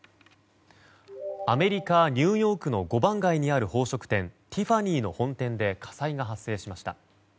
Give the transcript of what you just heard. アメリカ・ニューヨークの５番街にある宝飾店ティファニーの本店で火災が発生しました。